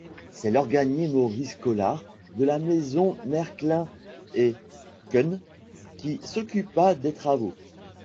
C'est l'organier Maurice Collard, de la maison Merklin & Kuhn qui s'occupa des travaux.